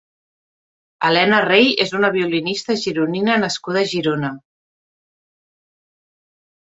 Elena Rey és una violinista gironina nascuda a Girona.